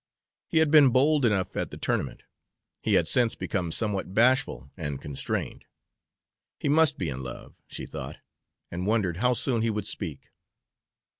He had been bold enough at the tournament; he had since become somewhat bashful and constrained. He must be in love, she thought, and wondered how soon he would speak.